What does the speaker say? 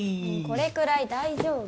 これくらい大丈夫。